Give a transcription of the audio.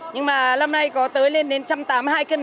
nhưng mà lâm nay có tới lên đến một trăm tám mươi hai cân